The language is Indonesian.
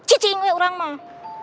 cicing ya orang mah